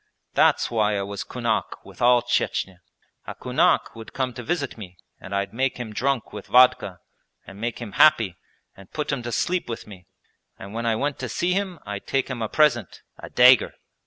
That's why I was kunak with all Chechnya. A kunak would come to visit me and I'd make him drunk with vodka and make him happy and put him to sleep with me, and when I went to see him I'd take him a present a dagger!